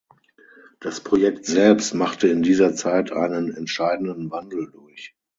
Das Projekt selbst machte in dieser Zeit einen entscheidenden Wandel durch.